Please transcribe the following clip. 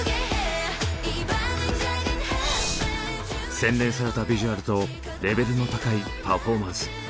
洗練されたビジュアルとレベルの高いパフォーマンス。